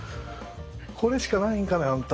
これしかないんかねあんた。